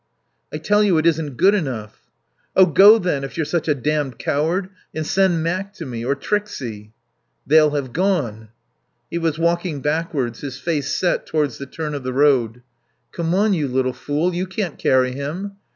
"I tell you it isn't good enough." "Oh, go then, if you're such a damned coward, and send Mac to me. Or Trixie." "They'll have gone." He was walking backwards, his face set towards the turn of the road. "Come on, you little fool. You can't carry him."